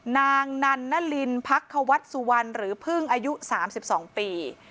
นางนานนรินภักควัตสุวรรณหรือพึ่งอายุสามสิบสองปี